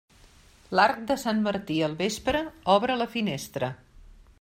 L'arc de Sant Martí al vespre, obre la finestra.